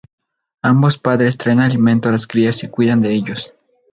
Ambos padres traen alimento a las crías y cuidan de ellos.